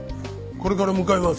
これから向かいます。